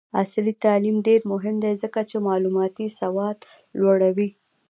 عصري تعلیم مهم دی ځکه چې معلوماتي سواد لوړوي.